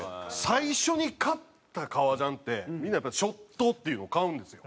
最初に買った革ジャンってみんなやっぱＳｃｈｏｔｔっていうのを買うんですよ。